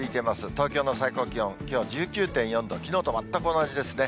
東京の最高気温、きょうは１９．４度、きのうと全く同じですね。